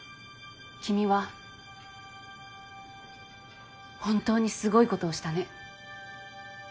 君は本当にすごいことをしたね。